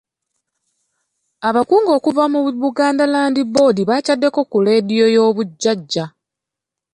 Abakugu okuva mu Buganda Land Board baakyaddeko ku leediyo y'obujajja.